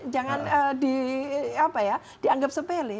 jangan dianggap sepele